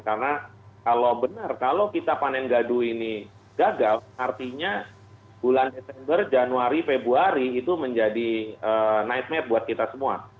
karena kalau benar kalau kita panen gadu ini gagal artinya bulan desember januari februari itu menjadi nightmare buat kita semua